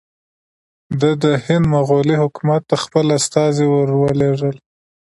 ده د هند مغولي حکومت ته خپل استازي ور ولېږل.